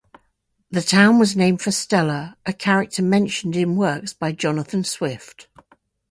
The town was named for Stella, a character mentioned in works by Jonathan Swift.